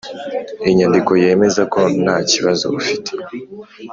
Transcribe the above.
Inyandiko yemeza ko nta kibazo ufite